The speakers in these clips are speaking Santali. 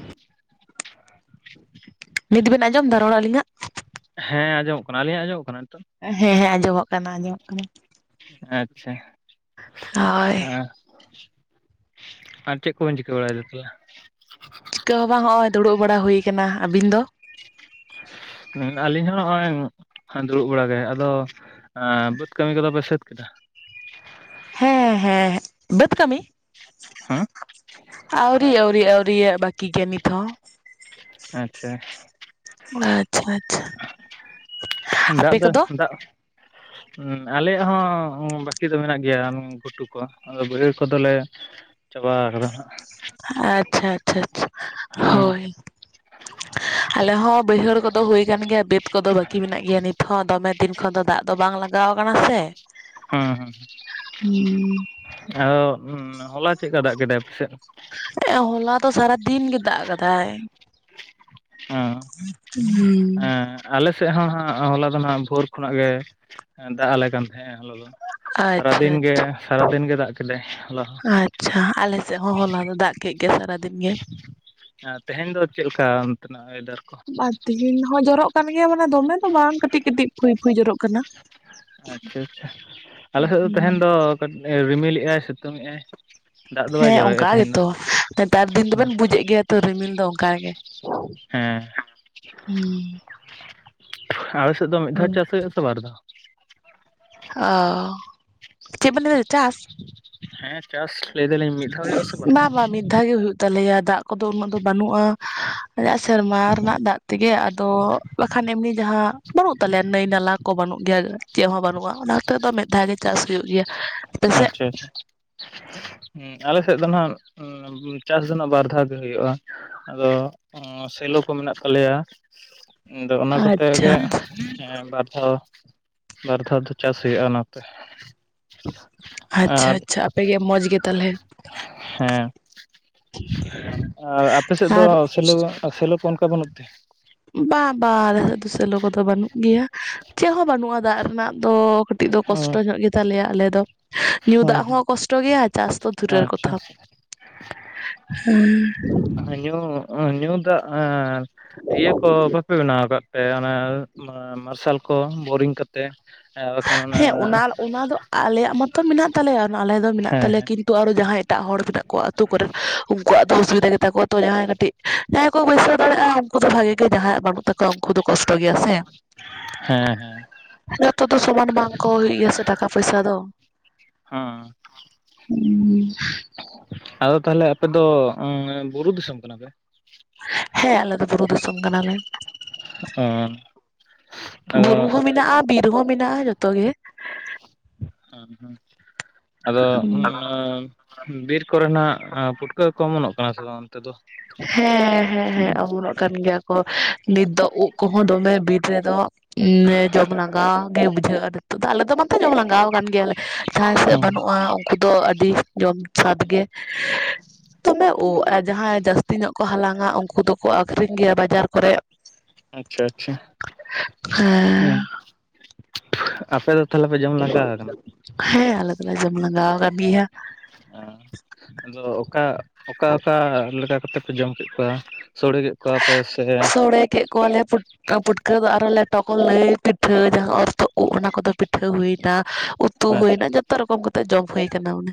[inaudible] ᱱᱤᱛ ᱵᱤᱱ ᱟᱸᱡᱚᱢ ᱮᱫᱟ ᱨᱚᱲ ᱟᱹᱞᱤᱧᱟᱸᱜ? ᱦᱮᱸ ᱟᱸᱡᱚᱢᱚᱜ ᱠᱟᱱᱟ ᱟᱞᱤᱧᱟᱜ ᱟᱸᱡᱚᱢᱚᱜ ᱠᱟᱱᱟ ᱱᱤᱛᱚᱜ? ᱦᱮᱸ ᱦᱮᱸ ᱟᱸᱡᱚᱢᱚᱜ ᱠᱟᱱᱟ ᱟᱸᱡᱚᱢᱚᱜ ᱠᱟᱱᱟ᱾ ᱟᱪᱪᱷᱟ ᱦᱳᱭ ᱦᱮᱸ᱾ ᱟᱨ ᱪᱮᱫ ᱠᱚᱵᱮᱱ ᱪᱤᱠᱟᱹ ᱵᱟᱲᱟᱭᱮᱫᱟ ᱛᱟᱞᱦᱮ? ᱤᱠᱟᱹ ᱦᱚᱸ ᱵᱟᱝ ᱦᱚᱸᱜᱼᱚᱭ ᱫᱩᱲᱩᱵ ᱵᱟᱲᱟ ᱦᱩᱭ ᱠᱟᱱᱟ, ᱟᱹᱵᱤᱱ ᱫᱚ? ᱦᱩᱸ ᱟᱞᱤᱧ ᱦᱚᱸ ᱦᱚᱸᱜᱼᱚᱭ ᱫᱩᱲᱩᱵ ᱵᱟᱲᱟ ᱜᱮ ᱟᱫᱚ ᱮᱸ ᱵᱟᱹᱫᱽ ᱠᱟᱹᱢᱤ ᱠᱚᱫᱚ ᱯᱮ ᱥᱟᱹᱛ ᱠᱮᱫᱟ? ᱦᱮᱸ ᱦᱮᱸ ᱵᱟᱹᱫᱽ ᱠᱟᱹᱢᱤ? ᱦᱮᱸ ᱟᱹᱨᱥᱤ ᱟᱹᱣᱨᱤ ᱟᱹᱣᱨᱤ᱾ [unintelligible] ᱵᱟᱹᱠᱤ ᱜᱮ ᱱᱤᱛ ᱦᱚᱸ᱾ ᱟᱪᱪᱷᱟ᱾ ᱟᱪᱪᱷᱟ ᱟᱪᱪᱷᱟ, ᱫᱟᱜ ᱟᱯᱮ ᱫᱚ ᱠᱚᱫᱚ? [inaudible] ᱦᱩᱸ ᱟᱞᱮᱭᱟᱜ ᱦᱚᱸ ᱩᱸ ᱵᱟᱠᱤ ᱫᱚ ᱢᱮᱱᱟᱜ ᱜᱮᱭᱟ ᱩᱸ ᱜᱷᱩᱴᱩ ᱠᱚ ᱟᱫᱚ ᱵᱟᱹᱭᱦᱟᱹᱲ ᱠᱚᱫᱚᱞᱮ ᱪᱟᱵᱟ ᱟᱠᱟᱫᱟᱸ ᱦᱟᱜ᱾ ᱟᱪᱪᱷᱟ ᱟᱪᱪᱷᱟ ᱟᱪᱷᱟ ᱦᱮᱸ ᱦᱳᱭ᱾ [inaudible] ᱟᱞᱮ ᱦᱚᱸ ᱵᱟᱹᱭᱦᱟᱹᱲ ᱠᱚᱫᱚ ᱦᱩᱭ ᱠᱟᱱ ᱜᱮᱭᱟ ᱵᱟᱹᱛ ᱠᱚᱫᱚ ᱵᱟᱹᱠᱤ ᱢᱮᱱᱟᱜ ᱜᱮᱭᱟ ᱱᱤᱛ ᱦᱚᱸ ᱫᱚᱢᱮ ᱫᱤᱱ ᱠᱷᱚᱱ ᱫᱚ ᱫᱟᱜ ᱫᱚ ᱵᱟᱝ ᱞᱟᱜᱟᱣ ᱟᱠᱟᱱᱟ ᱥᱮ᱾ ᱦᱩᱸ ᱦᱩᱸ ᱦᱩᱸ ᱟᱫᱚ ᱦᱚᱞᱟ ᱪᱮᱫᱠᱟ ᱫᱟᱜ ᱠᱮᱫᱟᱭ ᱟᱯᱮ ᱥᱮᱫ? ᱮᱸ ᱦᱚᱞᱟ ᱫᱚ ᱥᱟᱨᱟᱫᱤᱱ ᱜᱮ ᱫᱟᱜ ᱟᱠᱟᱫᱟᱭ᱾ ᱦᱚᱸ ᱦᱩᱸ ᱦᱮᱸ ᱟᱞᱮ ᱥᱮᱫ ᱦᱚᱸ ᱦᱟᱸᱜ ᱦᱚᱞᱟ ᱫᱚ ᱱᱟᱜ ᱵᱷᱳᱨ ᱠᱷᱚᱱᱟᱜ ᱜᱮ ᱮᱸ ᱫᱟᱜ ᱟᱞᱮ ᱠᱟᱱ ᱛᱟᱦᱮᱸᱜᱼᱟ ᱦᱚᱞᱟ ᱫᱚ᱾ ᱟᱪᱪᱷᱟ ᱥᱟᱨᱟᱫᱤᱱ ᱜᱮ ᱟᱪᱪᱷᱟ, ᱥᱟᱨᱟᱫᱤᱱ ᱜᱮ ᱫᱟᱜ ᱠᱮᱫᱟᱭ ᱦᱚᱞᱟ ᱦᱚᱸ ᱟᱪᱪᱷᱟ ᱟᱞᱮ ᱥᱮᱫ ᱦᱚᱸ ᱦᱚᱞᱟ ᱫᱚ ᱫᱟᱜ ᱠᱮᱜ ᱜᱮᱭᱟ ᱥᱟᱨᱟᱫᱤᱱ ᱜᱮ᱾ ᱟ ᱛᱮᱦᱮᱧ ᱫᱚ ᱪᱮᱫ ᱞᱮᱠᱟ ᱚᱱᱛᱮᱱᱟᱜ ᱚᱭᱮᱫᱟᱨ? ᱠᱚ? ᱵᱟ ᱛᱤᱦᱤᱧ ᱦᱚᱸ ᱡᱚᱨᱚᱜ ᱠᱟᱱ ᱜᱮᱭᱟ ᱢᱟᱱᱮ ᱫᱚᱢᱮ ᱫᱚ ᱵᱟᱝ ᱠᱟᱹᱴᱤᱡ ᱠᱟᱹᱴᱤᱡ ᱯᱷᱩᱭ ᱯᱷᱩᱭ ᱡᱚᱨᱚᱜ ᱠᱟᱱᱟ᱾ ᱟᱪᱪᱷᱟ ᱟᱪᱪᱷᱟ ᱟᱞᱮ ᱥᱮᱫ ᱫᱚ ᱦᱩᱸ ᱛᱮᱦᱮᱧ ᱫᱚ ᱠᱟᱴ ᱨᱤᱢᱤᱞᱮᱜ-ᱟᱭ ᱥᱤᱛᱝᱮᱜ-ᱟᱭ᱾ ᱫᱟᱜ ᱫᱚ ᱵᱟᱭ ᱦᱮᱸ ᱡᱚᱨᱚᱭᱮᱫ-ᱟ ᱚᱱᱠᱟ ᱛᱟᱦᱮᱧ ᱫᱚ᱾ ᱜᱮᱛᱚ ᱱᱮᱛᱟᱨ ᱫᱤᱱ ᱫᱚᱵᱮᱱ ᱵᱩᱡᱮᱫ ᱜᱮᱭᱟ ᱛᱚ ᱨᱤᱢᱤᱞ ᱫᱚ ᱚᱱᱠᱟ ᱜᱮ, ᱦᱮᱸ ᱦᱩᱸ᱾ ᱟᱯᱮ ᱥᱮᱫ ᱫᱚ ᱢᱤᱫ ᱫᱷᱟᱣ ᱦᱳᱭ ᱪᱟᱥ ᱦᱩᱭᱩᱜᱼᱟ ᱥᱮ ᱵᱟᱨ ᱫᱷᱟᱣ? ᱚ, ᱪᱮᱫ ᱵᱤᱱ ᱞᱟᱹᱭᱮᱫᱟ ᱪᱟᱥ? ᱦᱮᱸ ᱪᱟᱥ ᱞᱟᱹᱭ ᱫᱟᱞᱤᱧ ᱢᱤᱫ ᱫᱷᱟᱣ ᱦᱩᱭᱩᱜᱼᱟ ᱥᱮ ᱵᱟᱨ ᱫᱷᱟᱣ? ᱫᱷᱟ ᱜᱮ ᱦᱩᱭᱩᱜ ᱛᱟᱞᱮᱭᱟ ᱫᱟᱜ ᱠᱚᱫᱚ ᱩᱱᱟᱹᱜ ᱫᱚ ᱵᱟᱹᱱᱩᱜᱼᱟ ᱥᱮᱨᱢᱟ ᱨᱮᱱᱟᱜ ᱫᱟᱜ ᱛᱮᱜᱮ ᱟᱫᱚ ᱵᱟᱠᱷᱟᱱ ᱮᱢᱱᱤ ᱡᱟᱦᱟᱸ ᱵᱟᱹᱱᱩᱜ ᱛᱟᱞᱮᱭᱟ ᱱᱟᱹᱭ ᱱᱟᱞᱟ ᱠᱚ ᱵᱟᱹᱱᱩᱜ ᱜᱮᱭᱟ᱾ ᱪᱮᱫ ᱦᱚᱸ ᱵᱟᱹᱱᱩᱜᱼᱟ ᱚᱱᱟ ᱛᱮ ᱟᱫᱚ ᱢᱤᱫ ᱫᱷᱟᱣ ᱜᱮ ᱪᱟᱥ ᱦᱩᱭᱩᱜ ᱜᱮᱭᱟ᱾ ᱟᱯᱮᱥᱮᱫ ᱟᱪᱪᱷᱟ ᱟᱪᱪᱷᱟ᱾ ᱦᱩᱸ ᱟᱞᱮᱥᱮᱫ ᱫᱚ ᱱᱟᱦᱟᱜ ᱪᱟᱥ ᱫᱚ ᱱᱟᱜ ᱵᱟᱨ ᱫᱷᱟᱣ ᱜᱮ ᱦᱩᱭᱩᱜᱼᱟ᱾ ᱟᱫᱚ ᱩᱸ ᱥᱮᱞᱚ ᱠᱚ ᱢᱮᱱᱟᱜ ᱛᱟᱞᱮᱭᱟ, ᱟᱫᱚ ᱚᱱᱟ ᱠᱚᱛᱮ ᱟᱪᱪᱷᱟ ᱜᱮ ᱦᱮᱸ ᱵᱟᱨ ᱫᱷᱟᱣ ᱵᱟᱨ ᱫᱷᱟᱣ ᱫᱚ ᱪᱟᱥ ᱦᱩᱭᱩᱜᱼᱟ ᱚᱱᱟᱛᱮ᱾ ᱟᱪᱪᱷᱟ ᱟᱨ ᱟᱪᱪᱷᱟ ᱟᱯᱮ ᱜᱮ ᱢᱚᱡᱽ ᱜᱮ ᱛᱟᱞᱦᱮ᱾ ᱟ ᱟᱨ ᱟᱯᱮ ᱥᱮᱫ ᱫᱚ ᱟᱨ ᱥᱮᱞᱚ ᱥᱮᱞᱚ ᱠᱚ ᱚᱱᱠᱟ ᱵᱟᱹᱱᱩᱜ ᱛᱮ? ᱵᱟ ᱵᱟ ᱟᱞᱮ ᱥᱮᱫ ᱫᱚ ᱥᱮᱞᱳ ᱠᱚᱫᱚ ᱵᱟᱹᱱᱩᱜ ᱜᱮᱭᱟ ᱪᱮᱫ ᱦᱚᱸ ᱵᱟᱹᱱᱩᱜᱼᱟ ᱫᱟᱜ ᱨᱮᱱᱟᱜ ᱫᱚ ᱠᱟᱴᱤᱡ ᱫᱚ ᱚ ᱠᱚᱥᱴᱚ ᱧᱚᱜ ᱜᱮ ᱛᱟᱞᱮᱭᱟ ᱟᱞᱮ ᱫᱚ᱾ ᱧᱩ ᱫᱟᱜ ᱦᱚᱸ ᱠᱚᱥᱴᱚ ᱜᱮᱭᱟ ᱪᱟᱥ ᱫᱚ ᱫᱷᱩᱨᱮᱨ ᱟᱪᱪᱷᱟ ᱠᱚᱛᱷᱟ᱾ ᱦᱩᱸ᱾ ᱧᱩ ᱧᱩ ᱫᱟᱜ ᱮᱸ ᱤᱭᱟᱹ ᱠᱚ ᱵᱟᱯᱮ ᱵᱮᱱᱟᱣ ᱠᱟᱫ ᱯᱮ ᱚᱱᱮ ᱢᱟ ᱢᱟᱨᱥᱟᱞ? ᱠᱚ ᱵᱳᱨᱤᱝ ᱠᱟᱛᱮ ᱮ ᱵᱟᱠᱷᱟᱱ ᱚᱱᱟ ᱦᱮᱸ ᱚᱱᱟ ᱫᱚ ᱟᱞᱮᱭᱟᱜ ᱢᱟᱛᱚ ᱢᱮᱱᱟᱜ ᱛᱟᱞᱮᱭᱟ ᱚᱱᱟ ᱟᱞᱮ ᱫᱚ ᱢᱮᱱᱟᱜ ᱦᱮᱸ ᱛᱟᱞᱮᱭᱟ ᱦᱮᱸ ᱠᱤᱱᱛᱩ ᱟᱨᱚ ᱡᱟᱦᱟᱸᱭ ᱮᱴᱟᱜ ᱦᱚᱲ ᱢᱮᱱᱟᱜ ᱠᱚᱣᱟ ᱟᱹᱛᱩ ᱠᱚᱨᱮᱫ ᱩᱱᱠᱩᱣᱟᱜ ᱫᱚ ᱚᱥᱩᱵᱤᱫᱟ ᱜᱮᱛᱟ ᱠᱚᱣᱟ ᱛᱚ ᱡᱟᱦᱟᱸᱭ ᱠᱟᱹᱴᱤᱡ ᱡᱟᱦᱟᱸᱭ ᱠᱚ ᱵᱟᱹᱭᱥᱟᱹᱣ ᱫᱟᱲᱮᱭᱟᱜᱼᱟ ᱩᱱᱠᱩ ᱫᱚ ᱵᱷᱟᱜᱮ ᱜᱮ ᱡᱟᱦᱟᱸᱭᱟᱜ ᱵᱟᱹᱱᱩᱜ ᱛᱟ ᱠᱚ ᱩᱱᱠᱩ ᱫᱚ ᱠᱚᱥᱴᱚ ᱜᱮᱭᱟ ᱥᱮ ᱦᱮᱸ ᱦᱮᱸ [inaudible] ᱡᱷᱚᱛᱚ ᱥᱚᱢᱟᱱ ᱵᱟᱝ ᱠᱚ ᱦᱩᱭᱩᱜ ᱜᱮᱭᱟ ᱥᱮ ᱴᱟᱠᱟ ᱯᱩᱭᱥᱟ ᱫᱚ᱾ ᱦᱩᱸ᱾ ᱦᱩᱸ᱾ ᱟᱫᱚ ᱛᱟᱦᱚᱞᱮ ᱟᱯᱮ ᱫᱚ ᱩᱸ ᱵᱩᱨᱩ ᱫᱤᱥᱚᱢ ᱠᱟᱱᱟ ᱯᱮ? ᱦᱮᱸ ᱟᱞᱮ ᱫᱚ ᱵᱩᱨᱩ ᱫᱤᱥᱚᱢ ᱠᱟᱱᱟ ᱞᱮ᱾ ᱚ᱾ ᱵᱩᱨᱩ ᱦᱚᱸ ᱢᱮᱱᱟᱜᱼᱟ ᱵᱤᱨ ᱦᱚᱸ ᱢᱮᱱᱟᱜᱼᱟ ᱡᱚᱛᱚ ᱜᱮ᱾ ᱦᱩᱸ ᱦᱩᱸ ᱟᱫᱚ ᱦᱩᱸ, ᱚᱱᱟ ᱵᱤᱨ ᱠᱚᱨᱮᱱᱟᱜ ᱯᱩᱴᱠᱟᱹ ᱠᱚ ᱚᱢᱚᱱᱚᱜ ᱠᱟᱱᱟ ᱥᱮ ᱵᱟᱝ ᱚᱱᱛᱮ ᱫᱚ? ᱦᱮᱸ ᱦᱮᱸ ᱦᱮᱸ ᱚᱢᱚᱱᱚᱜ ᱠᱟᱱ ᱜᱮᱭᱟ ᱠᱚ ᱱᱤᱛ ᱫᱚ ᱩᱫᱽ ᱠᱚᱦᱚᱸ ᱫᱚᱢᱮ ᱵᱤᱨ ᱨᱮᱫᱚᱜ ᱱᱮ ᱡᱚᱢ ᱞᱟᱸᱜᱟ ᱜᱮ ᱵᱩᱡᱷᱟᱹᱜᱼᱟ ᱟᱫᱚ ᱱᱤᱛᱚᱜ ᱫᱚ ᱟᱞᱮ ᱫᱚ ᱵᱟᱝ ᱛᱚ ᱡᱚᱢ ᱞᱟᱸᱜᱟᱶ ᱠᱟᱱ ᱜᱮᱭᱟᱞᱮ ᱡᱟᱦᱟᱸᱭ ᱥᱮᱫ ᱦᱩᱸ ᱵᱟᱹᱱᱩᱜᱼᱟ ᱩᱝ ᱠᱩ ᱫᱚ ᱟᱹᱰᱤ ᱡᱚᱢ ᱥᱟᱫ ᱜᱮ ᱫᱚᱢᱮ ᱩᱫᱽ ᱡᱟᱦᱟᱸᱭ ᱡᱟᱹᱥ ᱛᱤ ᱧᱚᱜ ᱠᱚ ᱦᱟᱞᱟᱝᱟ ᱩᱱᱠᱩ ᱫᱚᱠᱚ ᱟᱠᱷᱨᱤᱧ ᱜᱮᱭᱟ ᱵᱟᱡᱟᱨ ᱠᱚᱨᱮᱜ᱾ ᱟᱪᱪᱷᱟ ᱟᱪᱪᱷᱟ ᱦᱩᱸ ᱦᱮᱸ ᱟᱯᱮ ᱫᱚ ᱛᱟᱦᱚᱞᱮ ᱯᱮ ᱡᱚᱢ ᱞᱟᱸᱜᱟ ᱟᱠᱟᱱᱟ ᱦᱮᱸ ᱟᱞᱮ ᱫᱚᱞᱮ ᱡᱚᱢ ᱞᱟᱸᱜᱟᱣ ᱠᱟᱱ ᱜᱤᱭᱟ᱾ ᱦᱮᱸ ᱟᱫᱚ ᱚᱠᱟ ᱚᱠᱟ ᱚᱠᱟ ᱞᱮᱠᱟ ᱠᱟᱛᱮ ᱯᱮ ᱡᱚᱢ ᱠᱮᱜ ᱠᱚᱣᱟ? ᱥᱳᱲᱮ ᱠᱮᱜ ᱠᱚᱣᱟ ᱯᱮ ᱥᱮ ᱥᱚᱲᱮ ᱠᱮᱫ ᱠᱚᱣᱟᱞᱮ ᱯᱷᱩ ᱠᱟ ᱯᱩᱴᱠᱟᱹ ᱫᱚ ᱟᱨᱚ ᱞᱮᱴᱚ ᱠᱚ ᱞᱟᱹᱭ ᱯᱤᱴᱷᱟᱹ ᱡᱟᱦᱟᱸ ᱚᱨᱛᱚ ᱩᱫᱽ ᱚᱱᱟ ᱠᱚᱫᱚ ᱯᱤᱴᱷᱟᱹ ᱦᱩᱭᱱᱟ᱾ ᱩᱛᱩ ᱟᱪᱪᱷᱟ ᱦᱩᱭᱱᱟ ᱡᱚᱛᱚ ᱨᱚᱠᱚᱢ ᱠᱟᱛᱮ ᱡᱚᱢ ᱦᱩᱭ ᱠᱟᱱᱟ ᱚᱱᱮ᱾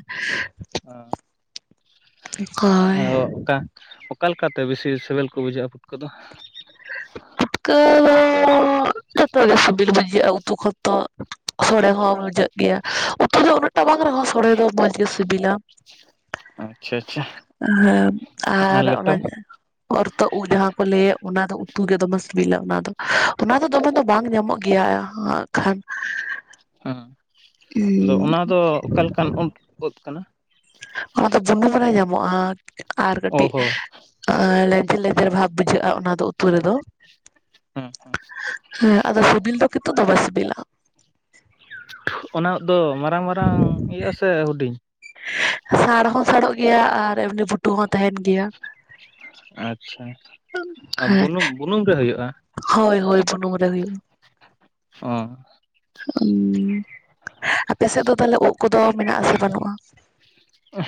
ᱦᱳᱭ ᱟ ᱚᱠᱟ ᱚ ᱚᱠᱟ ᱞᱮᱠᱟᱛᱮ ᱵᱮᱥᱤ ᱥᱮᱵᱮᱞ ᱠᱚ ᱵᱩᱡᱷᱟᱹᱜᱼᱟ ᱯᱩᱴᱠᱟᱹ ᱫᱚ? ᱠᱟᱻ ᱡᱷᱚᱛᱚ ᱜᱮ ᱥᱤᱵᱤᱞ ᱵᱩᱡᱷᱟᱹᱜᱼᱟ ᱩᱛᱩ ᱠᱷᱚᱱ ᱫᱚ᱾ ᱥᱚᱲᱮ ᱦᱚᱸ ᱵᱩᱡᱷᱟᱹᱜ ᱜᱮᱭᱟ ᱩᱛᱩ ᱫᱚ ᱩᱱᱟᱹᱜ ᱴᱟ ᱵᱟᱝ ᱨᱮᱦᱚᱸ ᱥᱚᱲᱮ ᱫᱚ ᱢᱚᱸᱡᱽ ᱜᱮ ᱥᱤᱵᱤᱞᱟ᱾ ᱟᱪᱪᱷᱟ ᱟᱪᱪᱷᱟ ᱦᱮᱸ ᱟᱨ ᱚᱱᱟ ᱚᱨ ᱛᱚᱜ ᱩᱫᱽ ᱡᱟᱦᱟᱸ ᱠᱚ ᱞᱟᱹᱭᱮᱫ ᱚᱱᱟ ᱫᱚ ᱩᱛᱩ ᱜᱮ ᱫᱚᱢᱮ ᱥᱤᱵᱤᱞᱟ ᱚᱱᱟ ᱫᱚ, ᱚᱱᱟ ᱫᱚ ᱫᱚᱢᱮ ᱫᱚ ᱵᱟᱝ ᱧᱟᱢᱚᱜ ᱜᱮᱭᱟ ᱦᱟᱸᱜ ᱠᱷᱟᱱ ᱦᱩᱸ᱾ ᱩᱸ᱾ ᱚᱱᱟ ᱫᱚ ᱚᱠᱟ ᱞᱮᱠᱟᱱ ᱩᱫᱽ ᱳᱫᱽ ᱠᱟᱱᱟ? ᱚᱱᱟ ᱫᱚ ᱵᱩᱱᱩᱢ ᱨᱮ ᱧᱟᱢᱚᱜᱼᱟ ᱟᱨ ᱚ ᱠᱟᱹᱴᱤᱡ ᱦᱚᱸ ᱟᱨ ᱞᱮᱸᱡᱮᱨ ᱞᱮᱸᱡᱮᱨ ᱵᱷᱟᱵᱽ ᱵᱩᱡᱷᱟᱹᱜᱼᱟ ᱚᱱᱟ ᱛᱚ ᱩᱛᱩ ᱨᱮᱫᱚ ᱦᱮᱸ ᱦᱮᱸ ᱟᱫᱚ ᱥᱤᱵᱤᱞ ᱫᱚ ᱠᱤᱱᱛᱩ ᱫᱚᱢᱮ ᱥᱤᱵᱤᱞᱟ᱾ ᱚᱱᱟ ᱫᱚ ᱢᱟᱨᱟᱝ ᱢᱟᱨᱟᱝ ᱦᱩᱭᱩᱜ ᱟᱥᱮ ᱦᱩᱰᱤᱧ ᱥᱟᱬ ᱦᱚᱸ ᱥᱟᱬᱚᱜ ᱜᱮᱭᱟ ᱟᱨ ᱮᱢᱱᱤ ᱵᱷᱩᱴᱩ ᱦᱚᱸ ᱛᱟᱦᱮᱱ ᱜᱮᱭᱟ ᱾ ᱟᱪᱪᱷᱟ ᱾ ᱦᱮᱸ ᱵᱩᱱᱩᱢ ᱵᱩᱱᱩᱢ ᱨᱮ ᱦᱩᱭᱩᱜᱼᱟ ᱦᱳᱭ ᱦᱳᱭ ᱵᱩᱱᱩᱢ ᱨᱮ ᱦᱩᱭᱩᱜᱼᱟ ᱾ ᱚ ᱾ ᱩᱸ ᱟᱯᱮ ᱥᱮᱫ ᱫᱚ ᱛᱟᱦᱚᱞᱮ ᱳᱫ ᱠᱚᱫᱚ ᱢᱮᱱᱟᱜ ᱟᱥᱮ ᱵᱟᱹᱱᱩᱜᱼᱟ?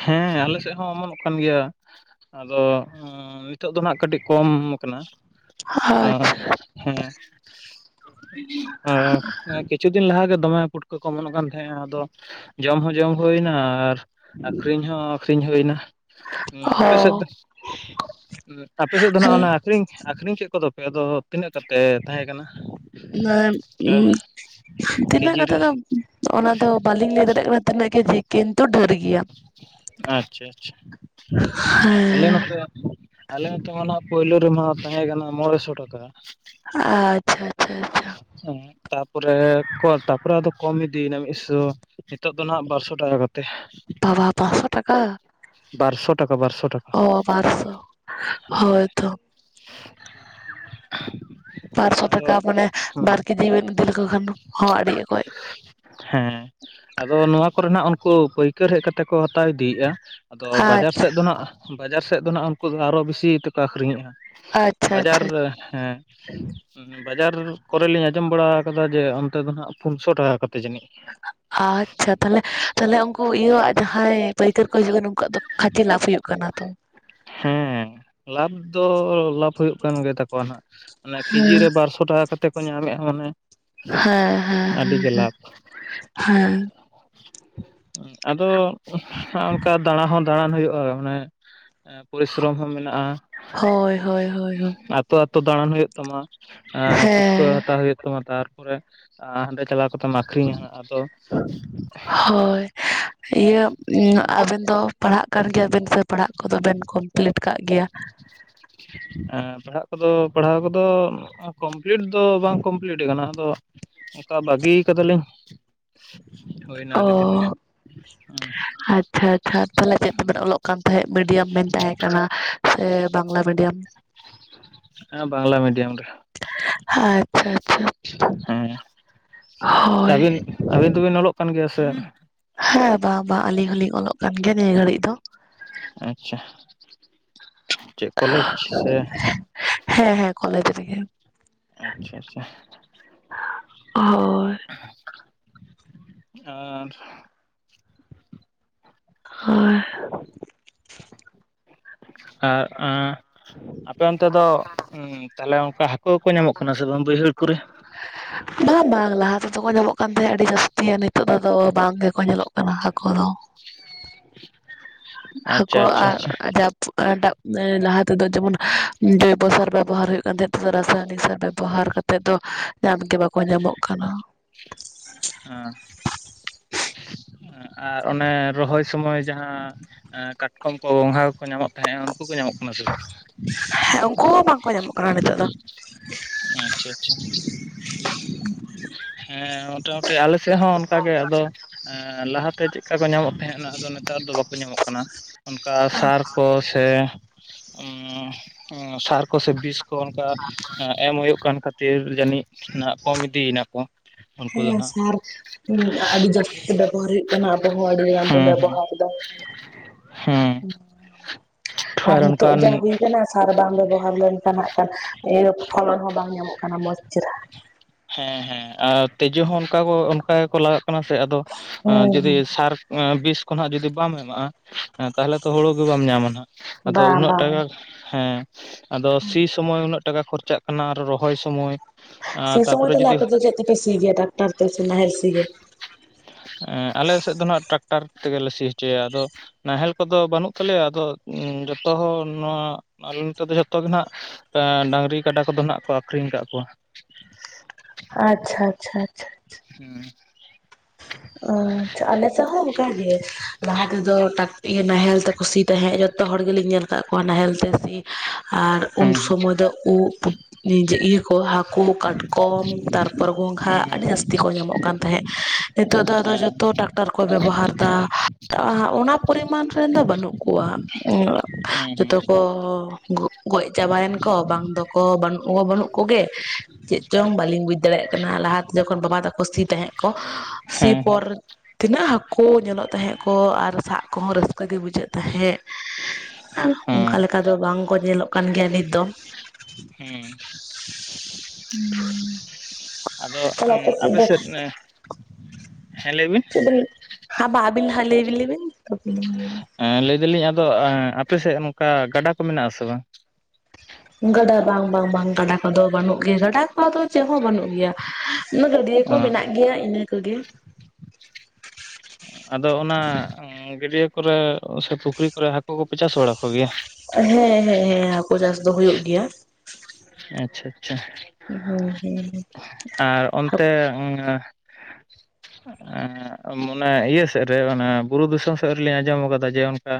ᱦᱮᱸ ᱟᱞᱮ ᱥᱮᱫ ᱦᱚᱸ ᱚᱢᱚᱱᱚᱜ ᱠᱟᱱ ᱜᱮᱭᱟ ᱾ ᱟᱫᱚ ᱱᱤᱛᱚᱜ ᱫᱚ ᱱᱟᱜ ᱠᱟᱹᱴᱤᱡ ᱠᱚᱢ ᱠᱟᱱᱟ᱿ ᱟᱪᱪᱷᱟ [unintelligible] ᱠᱤᱪᱷᱩ ᱫᱤᱱ ᱞᱟᱦᱟᱮ ᱫᱚᱢᱮ ᱯᱩᱴᱠᱟᱹ ᱠᱚ ᱚᱢᱚᱱᱚᱜ ᱠᱟᱱ ᱛᱟᱦᱮᱸ ᱟᱫᱚ ᱡᱚᱢ ᱦᱚᱸ ᱡᱚᱢ ᱦᱩᱭᱮᱱᱟ ᱟᱨ ᱟᱠᱷᱨᱤᱧ ᱦᱚᱸ ᱟᱹᱠᱷᱨᱤᱧ ᱦᱩᱭᱱᱟ ᱟᱯᱮ ᱥᱮᱫ ᱚ ᱫᱚ ᱟᱯᱮ ᱥᱮᱫ ᱫᱚ ᱱᱟᱸᱜ ᱚᱱᱮ ᱟᱹᱠᱷᱨᱤᱧ ᱟᱠᱷᱨᱤᱧ ᱠᱮᱫ ᱠᱚᱫᱚᱯᱮ ᱟᱫᱚ ᱛᱤᱱᱟᱹᱜ ᱠᱟᱛᱮᱫ ᱛᱟᱦᱮᱸ ᱠᱟᱱᱟ? ᱚᱱᱠᱟ [unintelligible] ᱛᱤᱱᱟᱹᱜ ᱠᱮᱡᱤ ᱨᱮ ᱠᱟᱛᱮᱫ ᱫᱚ ᱚᱱᱟ ᱵᱟᱹᱞᱤᱧ ᱞᱟᱹᱭ ᱫᱟᱲᱮᱭᱟ ᱠᱟᱱᱟ ᱛᱤᱱᱟᱹᱜ ᱠᱮᱡᱤ ᱠᱤᱱᱛᱩ ᱰᱷᱮᱨ ᱜᱮᱭᱟ ᱾ ᱟᱪᱪᱷᱟ ᱟᱪᱪᱷᱟ, ᱟᱞᱮ ᱦᱮᱸ ᱱᱚᱛᱮ ᱟᱞᱮ ᱱᱚᱛᱮ ᱢᱟ ᱯᱳᱭᱞᱳ ᱨᱮᱢᱟ ᱛᱟᱦᱮᱸ ᱠᱟᱱᱟ ᱢᱚᱬ ᱥᱚ ᱴᱟᱠᱟ ᱾ ᱟᱪᱪᱷᱟ ᱟᱪᱪᱷᱟ ᱟᱪᱪᱷᱟ ᱾ ᱦᱮᱸ ᱛᱟᱯᱚᱨᱮ ᱛᱟᱯᱚᱨᱮ ᱟᱫᱚ ᱠᱚᱢ ᱤᱫᱤᱭᱮᱱᱟ ᱢᱤᱫ ᱥᱚ ᱱᱤᱛᱚᱜ ᱫᱚ ᱱᱟᱜ ᱵᱟᱨᱥᱚ ᱴᱟᱠᱟ ᱠᱟᱛᱮ ᱾ ᱵᱟᱵᱟ ᱯᱟᱸᱪᱥᱚ ᱴᱟᱠᱟ ᱾ ᱵᱟᱨᱥᱚ ᱴᱟᱠᱟ ᱵᱟᱨᱥᱚ ᱴᱟᱠᱟ ᱾ ᱚ ᱵᱟᱨᱥᱚ ᱦᱳᱭᱛᱚ ᱾ [unintelligible] ᱯᱟᱨᱥᱚ ᱟᱫᱚ ᱴᱟᱠᱟ ᱢᱟᱱᱮ ᱦᱩᱸ ᱵᱟᱨ ᱠᱮᱡᱤ ᱵᱮᱱ ᱤᱫᱤ ᱞᱮᱠᱚ ᱠᱷᱟᱱ ᱦᱚᱸ ᱟᱹᱰᱤ ᱚᱠᱚᱡ ᱾ ᱦᱮᱸ ᱟᱫᱚ ᱱᱚᱣᱟ ᱠᱚᱨᱮᱱᱟᱜ ᱩᱱᱠᱩ ᱯᱟᱹᱭᱠᱟᱹᱨ ᱦᱮᱡ ᱠᱟᱛᱮ ᱠᱚ ᱦᱟᱛᱟᱣ ᱤᱫᱤᱭᱮᱫᱼᱟ᱾ ᱟᱫᱚ ᱵᱟᱡᱟᱨ ᱟᱪᱪᱷᱟ ᱥᱮᱫ ᱫᱚ ᱱᱟᱸᱜ ᱵᱟᱡᱟᱨ ᱥᱮᱫ ᱫᱚ ᱩᱱᱠᱩ ᱫᱚ ᱟᱨᱚ ᱵᱮᱥᱤ ᱛᱮᱠᱚ ᱟᱹᱠᱷᱨᱤᱧᱮᱜᱼᱟ ᱾ ᱟᱪᱪᱷᱟ ᱵᱟᱡᱟᱨ ᱟᱪᱪᱷᱟ ᱦᱮᱸ ᱵᱟᱡᱟᱨ ᱠᱚᱨᱮ ᱞᱤᱧ ᱟᱸᱡᱚᱢ ᱵᱟᱲᱟ ᱟᱠᱟᱫᱟ ᱡᱮ ᱚᱱᱛᱮ ᱫᱚ ᱱᱟᱜ ᱯᱩᱱᱥᱚ ᱴᱟᱠᱟ ᱠᱟᱛᱮ ᱡᱟᱹᱱᱤᱡ ᱾ ᱟᱪᱪᱷᱟ ᱛᱟᱦᱚᱞᱮ ᱛᱟᱦᱚᱞᱮ ᱩᱱᱠᱩ ᱤᱭᱟᱹᱣᱟᱜ ᱡᱟᱦᱟᱸᱭ ᱯᱟᱹᱭᱠᱟᱹᱨ ᱠᱚ ᱦᱤᱡᱩᱜ ᱠᱟᱱᱟ ᱩᱱᱠᱩᱣᱟᱜ ᱫᱚ ᱠᱷᱟᱪᱮ ᱞᱟᱵᱷ ᱦᱩᱭᱩᱜ ᱠᱟᱱᱟ ᱛᱚ ᱾ ᱦᱮᱸ ᱞᱟᱵᱷ ᱫᱚ ᱞᱟᱵᱷ ᱦᱩᱭᱩᱜ ᱠᱟᱱ ᱜᱮ ᱛᱟᱠᱚᱣᱟ ᱱᱟᱜ ᱾ ᱚᱱᱟ ᱠᱮᱡᱤ ᱦᱮᱸ ᱨᱮ ᱵᱟᱨᱥᱚ ᱴᱟᱠᱟ ᱠᱟᱛᱮᱫ ᱠᱚ ᱧᱟᱢᱮᱫᱼᱟ ᱢᱟᱱᱮ ᱦᱮᱸ ᱦᱮᱸ ᱟᱹᱰᱤᱜᱮ ᱦᱮᱸ ᱞᱟᱵᱷ ᱦᱮᱸ ᱾ ᱟᱫᱚ ᱚᱱᱠᱟ ᱫᱟᱬᱟ ᱦᱚᱸ ᱫᱟᱬᱟᱱ ᱦᱩᱭᱩᱜᱼᱟ ᱢᱟᱱᱮ ᱯᱚᱨᱤᱥᱨᱚᱢ ᱦᱚᱸ ᱢᱮᱱᱟᱜᱼᱟ ᱾ ᱦᱳᱭ ᱦᱳᱭ ᱦᱳᱭᱳᱭ ᱾ ᱟᱛᱳ ᱟᱛᱳ ᱫᱟᱲᱟᱱ ᱦᱩᱭᱩᱜ ᱛᱟᱢᱟ ᱮ ᱯᱩᱴᱠᱟᱹ ᱦᱮᱸ ᱦᱟᱛᱟᱣ ᱦᱩᱭᱩᱜ ᱛᱟᱨᱯᱚᱨᱮ ᱦᱟᱸᱰᱮ ᱪᱟᱞᱟᱣ ᱠᱟᱛᱮᱢ ᱟᱠᱷᱨᱤᱧᱟ ᱟᱫᱚ ᱦᱳᱭ [unintelligible] ᱤᱭᱟᱹ ᱟᱵᱤᱱ ᱫᱚ ᱯᱟᱲᱦᱟᱜ ᱠᱟᱱ ᱜᱮᱭᱟᱵᱤᱱ ᱯᱟᱲᱦᱟᱜ ᱠᱚᱫᱚ ᱵᱮᱱ ᱠᱚᱢᱯᱞᱤᱴ ᱠᱟᱜ ᱜᱮᱭᱟ? [unintelligible] [unintelligible] ᱦᱮᱸ ᱯᱟᱲᱦᱟᱜ ᱠᱚᱫᱚ ᱯᱟᱲᱦᱟᱣ ᱠᱚᱫᱚ ᱠᱚᱢᱯᱞᱤᱴ ᱫᱚ ᱵᱟᱝ ᱠᱚᱢᱯᱞᱤᱴ ᱟᱠᱟᱱᱟ ᱟᱫᱚ ᱚᱱᱠᱟ ᱵᱟᱹᱜᱤ ᱠᱟᱫᱟᱞᱤᱧ ᱾ ᱦᱳᱭᱱᱟ ᱟᱹᱰᱤ ᱫᱤᱱ ᱜᱮ ᱚ ᱾ ᱟᱪᱪᱷᱟ ᱟᱪᱪᱷᱟ ᱛᱟᱦᱚᱞᱮ ᱪᱮᱫ ᱛᱮᱵᱮᱱ ᱚᱞᱚᱜ ᱠᱟᱱ ᱛᱟᱦᱮᱸᱫ ᱢᱤᱰᱤᱭᱟᱢ ᱢᱮᱱ ᱛᱟᱦᱮᱸ ᱠᱟᱱᱟ ᱥᱮ ᱵᱟᱝᱞᱟ ᱢᱤᱰᱤᱭᱟᱢ? ᱦᱮᱸ ᱵᱟᱝᱞᱟ ᱢᱤᱰᱤᱭᱟᱢ ᱨᱮ। ᱟᱪᱪᱷᱟ ᱟᱪᱪᱷᱟ ᱦᱮᱸ ᱦᱳᱭ ᱟᱹᱵᱤᱱ ᱟᱹᱵᱤᱱ ᱫᱚᱵᱤᱱ ᱚᱞᱚᱜ ᱠᱟᱱ ᱜᱮᱭᱟ ᱥᱮ? ᱦᱮᱸ ᱵᱟᱝ ᱵᱟᱝ ᱟᱹᱞᱤᱧ ᱦᱚᱞᱤᱧ ᱚᱞᱚᱜ ᱠᱟᱱ ᱜᱮᱭᱟ ᱱᱤᱭᱟᱹ ᱜᱷᱟᱹᱲᱤᱡ ᱫᱚ ᱟᱪᱪᱷᱟ ᱪᱮᱫ ᱠᱚᱞᱮᱡᱽ ᱥᱮ ᱦᱮᱸ ᱦᱮᱸ ᱠᱚᱞᱡᱽ ᱨᱮᱜᱮ ᱟᱪᱪᱷᱟ ᱟᱪᱪᱷᱟ ᱦᱳᱭ ᱟᱨ ᱦᱳᱭ ᱟᱨ ᱟᱸ ᱟᱯᱮ ᱚᱱᱛᱮ ᱫᱚ ᱦᱩᱸ ᱛᱟᱦᱚᱞᱮ ᱚᱱᱠᱟ ᱦᱟᱹᱠᱩ ᱦᱚᱸᱠᱚ ᱧᱟᱢᱚᱜ ᱠᱟᱱᱟ ᱥᱮ ᱵᱟᱝ ᱵᱟᱹᱭᱦᱟᱹᱲ ᱠᱚᱨᱮ? ᱵᱟᱝ ᱵᱟᱝ ᱞᱟᱦᱟ ᱛᱮᱫᱚ ᱠᱚ ᱧᱟᱢᱚᱜ ᱠᱟᱱ ᱛᱟᱦᱮᱸᱫ ᱟᱹᱰᱤ ᱡᱟᱹᱥᱛᱤ ᱟᱨ ᱱᱤᱛᱚᱜ ᱫᱚᱫᱚ ᱵᱟᱝ ᱜᱮᱠᱚ ᱧᱮᱞᱚᱜ ᱠᱟᱱᱟ ᱦᱟᱠᱳ ᱫᱚ [unintelligible] ᱦᱟᱠᱳ ᱟᱪᱪᱷᱟ ᱟᱨ ᱟᱪᱪᱷᱟ [unintelligible] ᱮᱴᱟᱜ ᱮᱸ ᱞᱟᱦᱟ ᱛᱮᱫᱚ ᱡᱮᱢᱚᱱ ᱡᱚᱭᱵᱚ ᱥᱟᱨ ᱵᱮᱵᱚᱦᱟᱨ ᱦᱩᱭᱩᱜ ᱠᱟᱱ ᱛᱟᱦᱮᱸ [unintelligible] ᱨᱟᱥᱟᱭᱚᱱᱤᱠ ᱥᱟᱨ ᱵᱮᱵᱚᱦᱟᱨ ᱠᱟᱛᱮᱫ ᱛᱮᱫ ᱫᱚ ᱧᱟᱢ ᱜᱮ ᱵᱟᱠᱚ ᱧᱟᱢᱚᱜ ᱠᱟᱱᱟ ᱦᱮᱸ ᱟᱨ ᱚᱱᱮ ᱨᱚᱦᱚᱭ ᱥᱚᱢᱚᱭ ᱡᱟᱦᱟᱸ ᱠᱟᱴᱠᱚᱢ ᱠᱚ ᱜᱚᱸᱜᱷᱟ ᱠᱚᱠᱚ ᱧᱟᱢᱚᱜ ᱦᱮᱸ ᱩᱱᱠᱩ ᱠᱚ ᱧᱟᱢᱚᱜ ᱠᱟᱱᱟ ᱥᱮ ᱵᱟᱝ? ᱠᱚ ᱵᱟᱝᱠᱚ ᱧᱟᱢᱚᱜ ᱠᱟᱱᱟ ᱱᱤᱛᱚᱜ ᱫᱚ ᱟᱪᱪᱷᱟ ᱟᱪᱪᱷᱟ ᱦᱮᱸ ᱢᱳᱴᱟ ᱟᱞᱮᱥᱮᱫ ᱦᱚᱸ ᱚᱱᱠᱟ ᱜᱮ ᱟᱫᱚ ᱞᱟᱦᱟᱛᱮ ᱪᱮᱫᱠᱟ ᱠᱚ ᱧᱟᱢᱚᱜ ᱛᱟᱦᱮᱸᱱᱟ ᱟᱫᱚ ᱱᱮᱛᱟᱨ ᱫᱚ ᱵᱟᱠᱚ ᱧᱟᱢᱚᱜ ᱠᱟᱱᱟ ᱚᱱᱠᱟ ᱥᱟᱨ ᱠᱚ ᱥᱮ ᱩ ᱥᱟᱨ ᱠᱚ ᱥᱮ ᱵᱤᱥ ᱠᱚ ᱚᱱᱠᱟ ᱮᱸ ᱮᱢ ᱦᱩᱭᱩᱜ ᱠᱟᱱ ᱠᱷᱟᱹᱛᱤᱨ ᱡᱟᱹᱱᱤᱡ ᱱᱟᱜ ᱠᱚᱢ ᱤᱫᱤᱭᱮᱱᱟᱠᱚ ᱦᱮᱸ ᱥᱟᱨ ᱟᱹᱰᱤ ᱡᱟᱹᱥᱛᱤ ᱵᱮᱵᱚᱦᱟᱨ ᱦᱩᱭᱩᱜ ᱠᱟᱱᱟ ᱟᱵᱚ ᱦᱚᱸ ᱟᱹᱰᱤ ᱜᱟᱱ ᱵᱚᱱ ᱦᱮᱸ ᱦᱮᱸ ᱵᱮᱵᱚᱦᱟᱨᱫᱟ ᱦᱮᱸ [unintelligible] [unintelligible] ᱟᱨ ᱱᱤᱛᱳᱜ ᱚᱱᱠᱟᱱ ᱡᱟ ᱦᱩᱭ ᱠᱟᱱᱟ ᱥᱟᱨ ᱵᱟᱝ ᱵᱮᱵᱚᱦᱟᱨ ᱞᱮᱱᱠᱷᱟᱱ ᱦᱟᱸᱜ ᱠᱷᱟᱱ ᱤᱭᱟᱹ ᱯᱷᱚᱞᱚᱱ ᱦᱚᱸ ᱵᱟᱝ ᱧᱟᱢᱚᱜ ᱠᱟᱱᱟ ᱢᱚᱸᱡᱽ [unintelligible] ᱦᱮᱸ ᱦᱮᱸ ᱟᱨ ᱛᱤᱡᱳ ᱦᱚᱸ ᱚᱱᱠᱟ ᱚᱱᱠᱟᱜᱮ ᱠᱚ ᱞᱟᱜᱟᱜ ᱠᱟᱱᱟ ᱥᱮ ᱟᱫᱚ ᱡᱩᱫᱤ ᱦᱩᱸ ᱥᱟᱨ ᱵᱤᱥ ᱠᱷᱚᱱᱟᱜ ᱡᱩᱚᱫᱤ ᱵᱟᱢ ᱮᱢᱟᱜᱼᱟ, ᱛᱟᱦᱚᱞᱮ ᱛᱚ ᱦᱩᱲᱩ ᱜᱮ ᱵᱟᱢ ᱧᱟᱢᱟ ᱱᱟᱜ ᱟᱫᱚ ᱵᱟᱝ ᱩᱱᱟᱹᱜ ᱵᱟᱝ ᱴᱟᱠᱟ ᱦᱮᱸ ᱟᱫᱚ ᱥᱤ ᱥᱚᱢᱚᱭ ᱩᱱᱟᱹᱜ ᱴᱟᱠᱟ ᱠᱷᱚᱨᱪᱟᱜ ᱠᱟᱱᱟ ᱟᱨ ᱨᱚᱦᱚᱭ ᱥᱚᱢᱚᱭ ᱥᱮ ᱥᱚᱢᱚᱭ ᱛᱟᱯᱚᱨᱮ ᱛᱟᱦᱞᱮ ᱡᱩᱫᱤ ᱟᱯᱮ ᱫᱚ ᱪᱮᱫ ᱛᱮᱯᱮ ᱥᱤᱜᱮᱭᱟ ᱴᱟᱠᱴᱟᱨ ᱛᱮ ᱥᱮ ᱱᱟᱮᱞ ᱥᱤᱜᱮ? ᱮᱸ ᱟᱞᱮ ᱥᱮᱫ ᱫᱚ ᱱᱟᱜ ᱴᱟᱠᱴᱟᱨ ᱛᱮᱜᱮᱞᱮ ᱥᱤ ᱦᱚᱪᱚᱭᱟ ᱟᱫᱚ ᱱᱟᱦᱮᱞ ᱠᱚᱫᱚ ᱵᱟᱹᱱᱩᱜ ᱛᱟᱞᱮᱭᱟ ᱟᱫᱚ ᱡᱚᱛᱚ ᱦᱚᱲ ᱱᱚᱣᱟ ᱟᱞᱮ ᱱᱚᱛᱮ ᱫᱚ ᱡᱷᱚᱛᱚ ᱜᱮ ᱱᱟᱜ ᱟ ᱰᱟᱝᱨᱤ ᱠᱟᱰᱟ ᱠᱚᱫᱚ ᱱᱟᱸᱜ ᱠᱚ ᱟᱠᱷᱨᱤᱧ ᱠᱟᱜ ᱠᱚᱣᱟ ᱟᱪᱪᱷᱟ ᱟᱪᱪᱷᱟ ᱟᱪᱪᱷᱟ ᱦᱩᱸ ᱟᱪᱪᱷᱟ, ᱟᱞᱮ ᱥᱮᱫ ᱦᱚᱸ ᱚᱱᱠᱟ ᱜᱮ ᱞᱟᱦᱟ ᱛᱮᱫᱚ ᱴᱟᱠ ᱤᱭᱟᱹ ᱱᱟᱦᱮᱞ ᱛᱮ ᱠᱚ ᱥᱤ ᱛᱟᱦᱮᱸᱫ ᱡᱚᱛᱚ ᱦᱚᱲ ᱜᱮᱞᱤᱧ ᱧᱮᱞ ᱠᱟᱫ ᱠᱚᱣᱟ ᱱᱟᱦᱮᱞ ᱛᱮ ᱥᱤ ᱟᱨ ᱩᱱ ᱦᱮᱸ ᱥᱚᱢᱚᱭ ᱫᱚ [inaudible] ᱡᱮ ᱤᱭᱟᱹ ᱠᱚ ᱦᱟᱠᱳ, ᱠᱟᱴᱠᱚᱢ ᱛᱟᱨᱯᱚᱨ ᱜᱚᱝᱜᱷᱟ ᱦᱮᱸ ᱟᱹᱰᱤ ᱡᱟᱹᱥᱛᱤ ᱠᱚ ᱧᱟᱢᱚᱜ ᱠᱟᱱ ᱛᱟᱦᱮᱸᱜ᱾ ᱱᱤᱛᱚᱜ ᱫᱚ ᱟᱫᱚ ᱡᱷᱚᱛᱚ ᱴᱟᱠᱴᱟᱨ ᱠᱚ ᱵᱮᱵᱚᱦᱟᱨ ᱫᱟ ᱚᱱᱟ ᱯᱚᱨᱤᱢᱟᱱ ᱨᱮᱱ ᱫᱚ ᱵᱟᱹᱱᱩᱜ ᱠᱚᱣᱟ ᱡᱚᱛᱚ ᱠᱚ ᱜᱚᱡ ᱪᱟᱵᱟᱭᱮᱱ ᱠᱚ ᱵᱟᱝ ᱫᱚᱠᱚ [inaudible] ᱵᱟᱹᱱᱩᱜ ᱠᱚᱜᱮ ᱪᱮᱜ ᱪᱚᱝ ᱵᱟᱹᱞᱤᱧ ᱵᱩᱡᱽ ᱫᱟᱲᱮᱭᱟᱜ ᱠᱟᱱᱟ ᱞᱟᱦᱟᱛᱮ ᱡᱚᱠᱷᱚᱱ ᱵᱟᱵᱟ ᱛᱟᱠᱚ ᱥᱤ ᱛᱟᱦᱮᱸᱫ ᱠᱚ ᱦᱮᱸ ᱦᱮᱸ ᱥᱤᱯᱚᱨ ᱛᱤᱱᱟᱹᱜ ᱦᱟᱠᱳ ᱧᱮᱞᱚᱜ ᱛᱟᱦᱮᱸᱜ ᱠᱚ ᱟᱨ ᱥᱟᱵ ᱠᱚᱦᱚᱸ ᱨᱟᱹᱥᱠᱟᱹ ᱜᱮ ᱵᱩᱡᱷᱟᱹᱜ ᱛᱟᱦᱮᱸᱜ᱾ ᱟᱨ ᱚᱝᱠᱟ ᱦᱮᱸ ᱞᱮᱠᱟ ᱫᱚ ᱵᱟᱝᱠᱚ ᱧᱮᱞᱚᱜ ᱠᱟᱱ ᱜᱮᱭᱟ ᱱᱤᱛ ᱫᱚ ᱦᱮᱸ ᱟᱫᱚ ᱟᱯᱮ ᱥᱮᱫ ᱦᱮᱸ ᱞᱟᱹᱭ ᱵᱤᱱ ᱪᱮᱫ ᱦᱟᱸ ᱵᱟ ᱟᱵᱤᱱ ᱦᱟᱸᱜ ᱞᱟᱹᱭ ᱵᱤᱱ ᱞᱟᱹᱭ ᱵᱤᱱ ᱮᱸ ᱞᱟᱹᱭ ᱫᱟᱞᱤᱧ ᱟᱫᱚ ᱟᱯᱮ ᱥᱮᱫ ᱱᱚᱝᱠᱟ ᱜᱟᱰᱟ ᱠᱚ ᱢᱮᱱᱟᱜ ᱟᱥᱮ ᱵᱟᱝ? ᱜᱟᱰᱟ ᱵᱟᱝ ᱵᱟᱝ ᱵᱟᱝ ᱜᱟᱰᱟ ᱠᱚᱫᱚ ᱵᱟᱹᱱᱩᱜ ᱜᱮᱭᱟ ᱜᱟᱰᱟ ᱠᱚᱫᱚ ᱪᱮᱫ ᱦᱚᱸ ᱵᱟᱹᱱᱩᱜ ᱜᱮᱭᱟ ᱜᱟᱹᱰᱭᱟᱹ ᱠᱚ ᱢᱮᱱᱟᱜ ᱜᱮᱭᱟ ᱤᱱᱟᱹ ᱠᱚᱜᱮ᱾ [inaudible] ᱟᱫᱚ ᱚᱱᱟ ᱜᱟᱹᱰᱭᱟᱹ ᱠᱚᱨᱮ ᱥᱮ ᱯᱩᱠᱷᱨᱤ ᱠᱚᱨᱮ ᱦᱟᱠᱩ ᱠᱚᱯᱮ ᱪᱟᱥ ᱵᱟᱲᱟ ᱠᱚᱜᱮᱭᱟ? ᱦᱮᱸ ᱦᱮᱸ ᱦᱮᱸ ᱦᱟᱠᱳ ᱪᱟᱥ ᱫᱚ ᱦᱩᱭᱩᱜ ᱜᱮᱭᱟ᱾ ᱟᱪᱪᱷᱟ ᱟᱪᱪᱷᱟ ᱦᱩᱸ ᱦᱩᱸ ᱦᱩᱸ ᱟᱨ ᱚᱱᱛᱮ [unintelligible] ᱮᱸ ᱢᱚᱱᱮ ᱤᱭᱟᱹ ᱥᱮᱫ ᱨᱮ ᱚᱱᱟ ᱵᱩᱨᱩ ᱫᱤᱥᱚᱢ ᱥᱮᱫ ᱨᱮᱞᱤᱧ ᱟᱸᱡᱚᱢ ᱠᱟᱫᱟ ᱡᱮ ᱚᱱᱠᱟ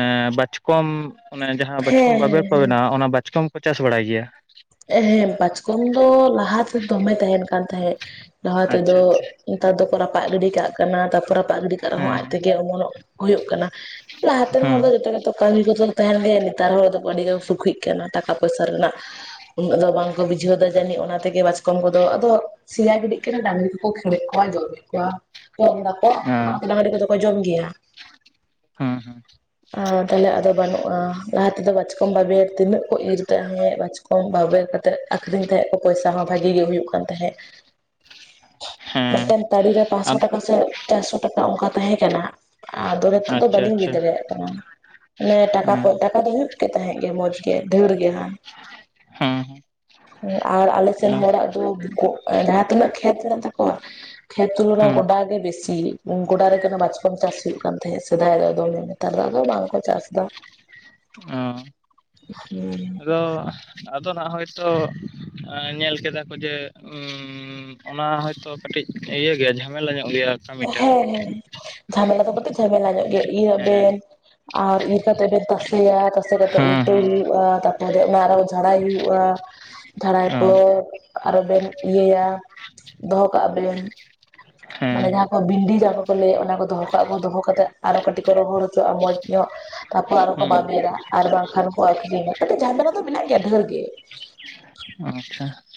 ᱮᱸ ᱵᱟᱪᱠᱚᱢ ᱚᱱᱮ ᱡᱟᱦᱟᱸ ᱵᱟᱪᱠᱚᱢ ᱦᱮᱸ ᱵᱟᱵᱮᱨ ᱠᱚ ᱦᱮᱸ ᱵᱮᱱᱟᱣᱟ ᱚᱱᱟ ᱵᱟᱪᱠᱚᱢ ᱠᱚ ᱪᱟᱥ ᱵᱟᱲᱟᱭ ᱜᱮᱭᱟ ᱮᱸᱻ ᱦᱮᱸ ᱵᱟᱪᱠᱚᱢ ᱫᱚ ᱞᱟᱦᱟ ᱛᱮ ᱫᱚᱢᱮ ᱛᱟᱦᱮᱸᱱ ᱠᱟᱱ ᱛᱟᱦᱮᱸᱫ ᱞᱟᱦᱟ ᱟᱪᱪᱷᱟ ᱛᱮᱫᱚ ᱟᱪᱪᱷᱟ ᱱᱮᱛᱟᱨ ᱫᱚᱠᱚ ᱨᱟᱯᱟᱜ ᱜᱤᱰᱤ ᱠᱟᱜ ᱠᱟᱱᱟ [inaudible] ᱨᱟᱯᱟᱜ ᱜᱤᱰᱤ ᱠᱟᱜ ᱨᱮᱦᱚᱸ ᱟᱡ ᱦᱮᱸ ᱛᱮᱜᱮ ᱚᱢᱚᱱᱚᱜ ᱦᱩᱭᱩᱜ ᱠᱟᱱᱟ ᱞᱟᱦᱟᱛᱮᱱ ᱦᱚᱲ ᱦᱮᱸ ᱫᱚ ᱡᱚᱛᱚ ᱛᱚ ᱠᱟᱹᱢᱤ ᱠᱚᱫᱚ ᱛᱟᱦᱮᱸᱱ ᱜᱮ ᱱᱮᱛᱟᱨ ᱦᱚᱲ ᱫᱚ ᱟᱹᱰᱤ ᱜᱮ ᱥᱩᱠᱷᱤᱜ ᱠᱟᱱᱟ ᱴᱟᱠᱟ ᱯᱚᱭᱥᱟ ᱨᱮᱱᱟᱜ ᱩᱱᱟᱹᱜ ᱫᱚ ᱵᱟᱝᱠᱚ ᱵᱩᱡᱷᱟᱹᱣ ᱮᱫᱟ ᱡᱟᱹᱱᱤᱡ ᱚᱱᱟ ᱛᱮᱜᱮ ᱵᱟᱪᱠᱚᱢ ᱠᱚᱫᱚ ᱟᱫᱚ ᱥᱮᱭᱟ ᱜᱤᱰᱤᱜ ᱠᱟᱱᱟ ᱰᱟᱝᱨᱤ ᱠᱚᱠᱚ ᱠᱷᱟᱹᱲᱮᱫ ᱠᱚᱣᱟ ᱡᱚᱢᱮᱫ ᱠᱚᱣᱟ ᱠᱚᱢ ᱫᱟᱠᱚ ᱦᱮᱸ ᱰᱟᱝᱨᱤ ᱠᱚᱫᱚ ᱠᱚ ᱡᱚᱢ ᱜᱮᱭᱟ ᱦᱩᱸ ᱦᱩᱸ ᱟᱨ ᱛᱟᱦᱚᱞᱮ ᱟᱫᱚ ᱵᱟᱹᱱᱩᱜᱼᱟ, ᱞᱟᱦᱟ ᱛᱮᱫᱚ ᱵᱟᱪᱠᱚᱢ ᱵᱟᱵᱮᱨ ᱛᱤᱱᱟᱹᱜ ᱠᱚ ᱤᱨ ᱛᱟᱦᱮᱸᱫ ᱵᱟᱪᱠᱚᱢ ᱵᱟᱵᱮᱨ ᱠᱟᱛᱮᱜ ᱟᱠᱷᱨᱤᱧ ᱛᱟᱦᱮᱸᱫ ᱠᱚ ᱯᱚᱭᱥᱟ ᱦᱚᱸ ᱵᱷᱟᱜᱤ ᱜᱮ ᱦᱩᱭᱩᱜ ᱠᱟᱱ ᱛᱟᱦᱮᱸᱫ᱾ ᱢᱤᱫ ᱦᱮᱸ ᱴᱟᱝ ᱛᱟᱲᱤ ᱯᱟᱸᱥᱥᱚ ᱟᱫ ᱴᱟᱠᱟ ᱥᱮ ᱪᱟᱨᱥᱚ ᱴᱟᱠᱟ ᱚᱱᱠᱟ ᱛᱟᱦᱮᱸ ᱠᱟᱱᱟ, ᱟᱫᱚ [inaudible] ᱫᱚ ᱟᱪᱪᱷᱟ ᱵᱟᱞᱤᱧ ᱞᱟᱹᱭ ᱟᱪᱪᱷᱟ ᱫᱟᱲᱮᱭᱟᱜ ᱠᱟᱱᱟ ᱚᱱᱮ ᱴᱟᱠᱟ ᱠᱷᱚᱡ ᱦᱮᱸ ᱴᱟᱠᱟ ᱫᱚ ᱦᱩᱭᱩᱜ ᱜᱮ ᱛᱟᱦᱮᱸᱜ ᱜᱮ ᱢᱚᱸᱡᱽ ᱜᱮ ᱰᱷᱮᱨ ᱜᱮ ᱦᱟᱸ ᱦᱩᱸ ᱦᱩᱸ ᱟᱨ ᱟᱞᱮ ᱥᱮᱱ ᱦᱚᱲᱟᱜ ᱫᱚ [inaudible] ᱡᱟᱦᱟᱸ ᱛᱤᱱᱟᱹᱜ ᱠᱷᱮᱛ ᱢᱮᱱᱟᱜ ᱛᱟᱠᱚᱣᱟ ᱠᱷᱮᱛ ᱛᱩᱞᱚᱱᱟ ᱦᱮᱸ ᱜᱚᱰᱟ ᱜᱮ ᱵᱤᱥᱤ ᱜᱚᱰᱟ ᱨᱮᱜᱮ ᱚᱱᱟ ᱵᱟᱪᱠᱚᱢ ᱪᱟᱥ ᱦᱩᱭᱩᱜ ᱠᱟᱱ ᱛᱟᱦᱮᱸᱫ ᱥᱮᱫᱟᱭ ᱫᱚ ᱫᱚᱢᱮ ᱱᱮᱛᱟᱨ ᱫᱚ ᱟᱫᱚ ᱵᱟᱝ ᱠᱚ ᱪᱟᱥ ᱫᱟ᱾ ᱚ ᱦᱩᱸ ᱟᱫᱚ ᱟᱫᱚ ᱦᱟᱸᱜ ᱦᱚᱭᱛᱚ ᱮᱸ ᱧᱮᱞ ᱠᱮᱫᱟ ᱠᱚ ᱡᱮ ᱩᱸ ᱚᱱᱟ ᱦᱚᱭᱛᱚ ᱠᱟᱹᱴᱤᱡ ᱤᱭᱟᱹ ᱜᱮᱭᱟ ᱡᱷᱟᱢᱮᱞᱟ ᱧᱚᱜ ᱜᱮᱭᱟ ᱠᱟᱹᱢᱤᱴᱟᱜ ᱦᱮᱸ ᱦᱮᱸ ᱡᱷᱟᱢᱮᱞᱟ ᱫᱚ ᱠᱟᱹᱴᱤᱡ ᱡᱷᱟᱢᱮᱞᱟ ᱧᱚᱜ ᱜᱮ ᱤᱭᱟᱹ ᱦᱮᱸ ᱵᱮᱱ ᱟᱨ ᱤᱨ ᱠᱟᱛᱮᱜ ᱵᱮᱱ ᱛᱟᱥᱮᱭᱟ ᱛᱟᱥᱮ ᱠᱟᱛᱮᱜ ᱦᱮᱸ ᱩᱞᱴᱟᱹᱣ ᱦᱮᱸ ᱦᱩᱭᱩᱜᱼᱟ ᱛᱟᱯᱚᱨᱮ ᱚᱱᱟ ᱟᱨᱚᱼᱼ ᱡᱷᱟᱲᱟᱭ ᱦᱩᱭᱩᱜᱼᱟ ᱡᱷᱟᱲᱟᱭ ᱚ ᱯᱚᱨᱼᱼ ᱟᱨᱚ ᱵᱮᱱ ᱤᱭᱟᱹᱭᱟ ᱫᱚᱦᱚ ᱠᱟᱜᱼᱟ ᱵᱮᱱ ᱢᱟᱱᱮ ᱦᱮᱸ ᱡᱟᱦᱟᱸ ᱠᱚ ᱵᱤᱰᱤᱭᱟ ᱠᱚ᱾ ᱠᱚ ᱞᱟᱹᱭᱟ ᱚᱱᱟ ᱠᱚ ᱫᱚᱦᱚ ᱠᱟᱜ ᱠᱚ ᱫᱚᱦᱚ ᱠᱟᱛᱮ ᱟᱨᱚ ᱠᱟᱹᱴᱤᱡ ᱠᱚ ᱨᱚᱦᱚᱲ ᱦᱚᱪᱚᱣᱟᱜᱼᱟ ᱢᱚᱸᱡᱽ ᱧᱚᱜᱼᱼ ᱛᱟᱯᱚᱨ ᱟᱨ ᱦᱚᱸᱠᱚ ᱦᱮᱸ ᱵᱟᱵᱮᱨᱟ ᱟᱨ ᱵᱟᱝᱠᱷᱟᱱ ᱠᱚ ᱟᱠᱷᱨᱤᱧᱟ ᱡᱷᱟᱢᱮᱞᱟ ᱫᱚ ᱢᱮᱱᱟᱜ ᱜᱮᱭᱟ ᱰᱷᱮᱨ ᱜᱮ᱾ ᱦᱮᱸ ᱟᱪᱪᱷᱟ᱾